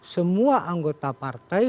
semua anggota partai